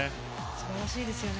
素晴らしいですよね。